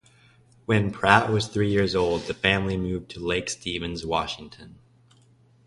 When Pratt was three years old, the family moved to Lake Stevens, Washington.